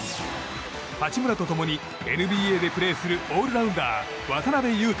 八村と共にＮＢＡでプレーするオールラウンダー、渡邊雄太。